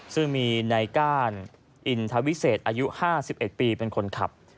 ซึ่งมีในก้านอินทวิเศษอายุ๕๑ปีเป็นคนขับ